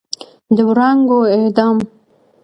د وړانګو اعدام